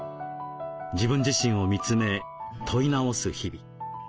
自分自身を見つめ問い直す日々。